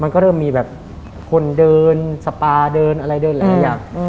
เริ่มมีแบบคนเดินสปาเดินอะไรเดินหลายอย่าง